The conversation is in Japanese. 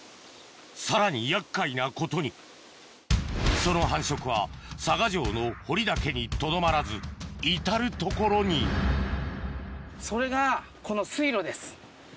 さらに厄介なことにその繁殖は佐賀城の堀だけにとどまらず至る所にそれが。